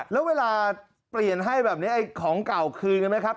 แล้วเวลาเปลี่ยนให้แบบนี้ไอ้ของเก่าคืนกันไหมครับ